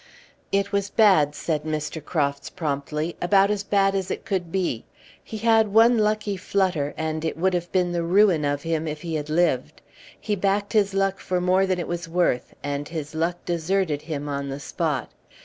"It was bad," said Mr. Crofts, promptly; "about as bad as it could be. He had one lucky flutter, and it would have been the ruin of him if he had lived. He backed his luck for more than it was worth, and his luck deserted him on the spot.